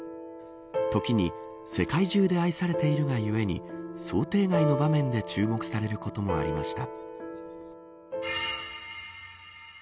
時に、世界中で愛されているがゆえに想定外の場面で注目されることもありました。